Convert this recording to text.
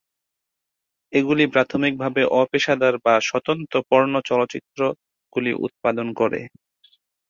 এগুলি প্রাথমিকভাবে অপেশাদার বা "স্বতন্ত্র" পর্ন চলচ্চিত্রগুলি উৎপাদন করে।